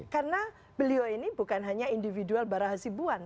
karena beliau ini bukan hanya individual bara hasibuan